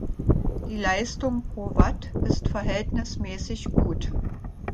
Die Leistung pro Watt ist verhältnismäßig gut.